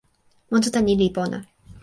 monsuta ni li pona.